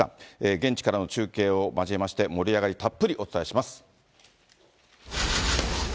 現地からの中継を交えまして、盛り上がり、たっぷりお伝えします。